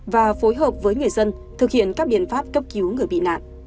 và phối hợp với người dân thực hiện các biện pháp cấp cứu người bị nạn